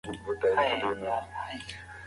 شریف د خپل پلار ستړو سترګو ته په ځیر وکتل.